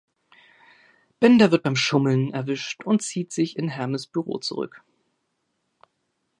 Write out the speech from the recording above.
Bender wird beim Schummeln erwischt und zieht sich in Hermes Büro zurück.